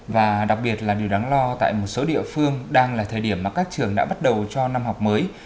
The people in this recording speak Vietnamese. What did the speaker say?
và đặc biệt là điều đáng lo tại một số địa phương đang là thời điểm mà các trường đã bắt đầu cho năm học mới